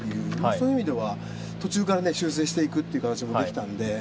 そういう意味では、途中から修正していく形もできたので。